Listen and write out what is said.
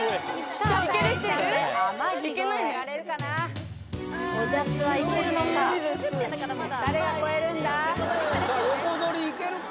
さあ横取りいけるか？